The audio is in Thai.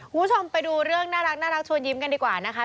คุณผู้ชมไปดูเรื่องน่ารักชวนยิ้มกันดีกว่านะคะ